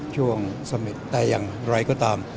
ช่วงสมศิษย์แต่อย่างไร้ก็ตาม